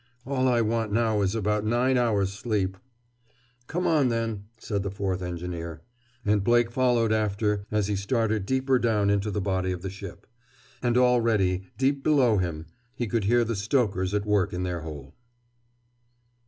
"All I want now is about nine hours' sleep!" "Come on, then," said the fourth engineer. And Blake followed after as he started deeper down into the body of the ship. And already, deep below him, he could hear the stokers at work in their hole.